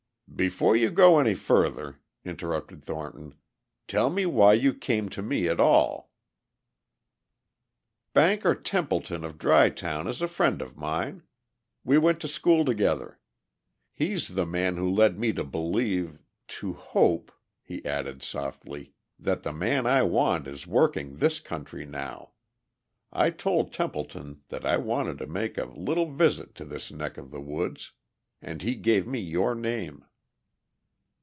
"Before you go any further," interrupted Thornton, "tell me why you came to me at all?" "Banker Templeton of Dry Town is a friend of mine. We went to school together. He's the man who led me to believe, to hope," he added softly, "that the man I want is working this country now. I told Templeton that I wanted to make a little visit to this neck of the woods. And he gave me your name."